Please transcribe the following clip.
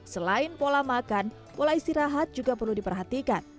selain pola makan pola istirahat juga perlu diperhatikan